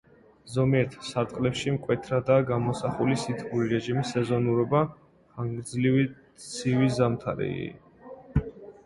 ზომიერ სარტყლებში მკვეთრადაა გამოსახული სითბური რეჟიმის სეზონურობა, ხანგრძლივი ცივი ზამთარი.